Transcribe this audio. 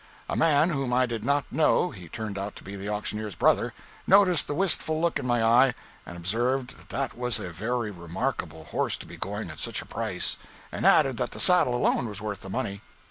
A man whom I did not know (he turned out to be the auctioneer's brother) noticed the wistful look in my eye, and observed that that was a very remarkable horse to be going at such a price; and added that the saddle alone was worth the money.